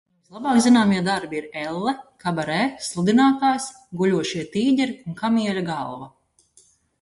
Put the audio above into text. "Viņa vislabāk zināmie darbi ir "Elle", "Kabarē", "Sludinātājs", "Guļošie tīģeri" un "Kamieļa galva"."